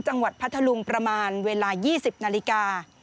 จังหวัดพัทธลุงประมาณเวลา๒๐นาฬิกา